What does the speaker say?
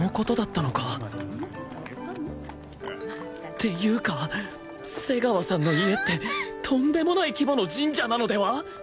っていうか瀬川さんの家ってとんでもない規模の神社なのでは！？